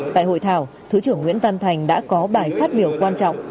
tại hội thảo thứ trưởng nguyễn văn thành đã có bài phát biểu quan trọng